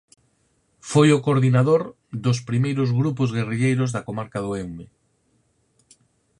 Foi o coordinador dos primeiros grupos guerrilleiros da comarca do Eume.